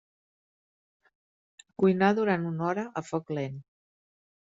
Cuinar durant una hora a foc lent.